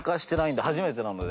初めてなので。